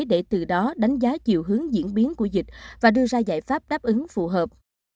để từ đó đánh giá chiều hướng diễn biến của dịch và đưa ra giải pháp đáp ứng phù hợp